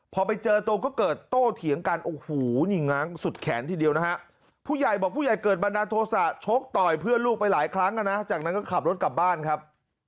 พอไปเจอตัวก็เกิดโต้เถียงกันโอ้โหนี่ง้างสุดแขนทีเดียวนะฮะผู้ใหญ่บอกผู้ใหญ่เกิดบันดาลโทษะชกต่อยเพื่อนลูกไปหลายครั้งอ่ะนะจากนั้นก็ขับรถกลับบ้านครับ